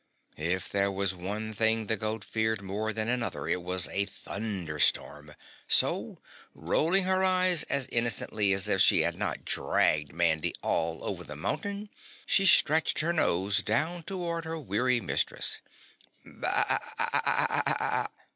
If there was one thing the goat feared more than another, it was a thunder storm, so, rolling her eyes as innocently as if she had not dragged Mandy all over the mountain she stretched her nose down toward her weary mistress.